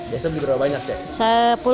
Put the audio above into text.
biasanya berapa banyak cek